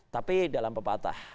tapi dalam pepatah